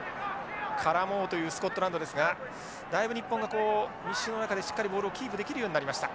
絡もうというスコットランドですがだいぶ日本が密集の中でしっかりボールをキープできるようになりました。